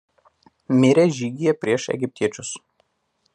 Mirė žygyje prieš egiptiečius.